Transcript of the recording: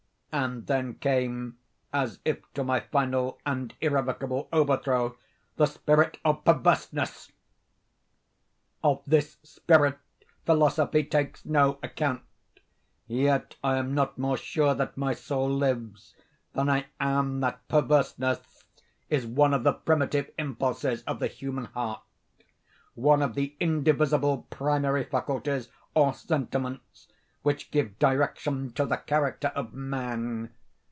And then came, as if to my final and irrevocable overthrow, the spirit of PERVERSENESS. Of this spirit philosophy takes no account. Yet I am not more sure that my soul lives, than I am that perverseness is one of the primitive impulses of the human heart—one of the indivisible primary faculties, or sentiments, which give direction to the character of Man.